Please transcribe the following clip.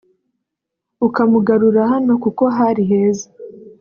ukamugarura hano kuko hari heza